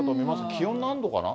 気温何度かな？